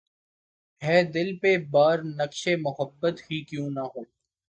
ہے دل پہ بار‘ نقشِ محبت ہی کیوں نہ ہو